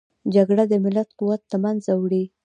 جګړه د ملت قوت له منځه وړي